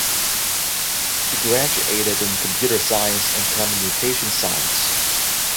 She graduated in computer science and communication science.